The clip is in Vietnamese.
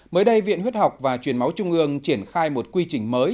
mới đây viện huyết học và truyền máu trung ương triển khai một quy trình mới